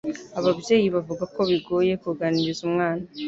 ababyeyi bavuga ko bigoye kuganiriza umwana